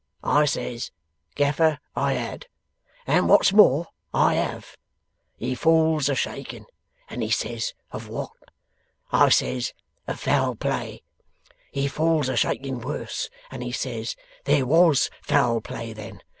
I says, "Gaffer, I had; and what's more, I have." He falls a shaking, and he says, "Of what?" I says, "Of foul play." He falls a shaking worse, and he says, "There WAS foul play then.